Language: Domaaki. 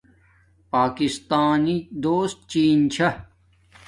پاکستانݵ دوست چین چھا